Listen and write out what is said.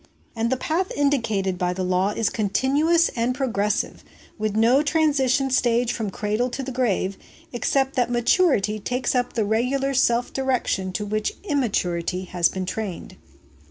And the path indicated by the law is continuous and progressive, with no transition stage from the cradle to the grave, except that maturity takes up the regular self direction to which immaturity has been trained.